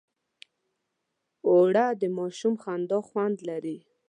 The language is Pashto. اوړه د ماشوم خندا خوند لري